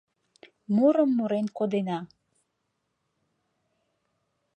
Мурым мурен кодена.